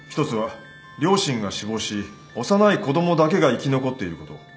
１つは両親が死亡し幼い子供だけが生き残っていること。